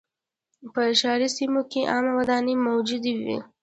په ښاري سیمو کې عامه ودانۍ موجودې وې.